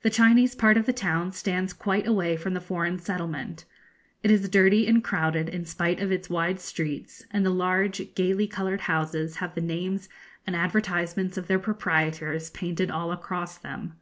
The Chinese part of the town stands quite away from the foreign settlement. It is dirty and crowded in spite of its wide streets, and the large, gaily coloured houses have the names and advertisements of their proprietors painted all across them.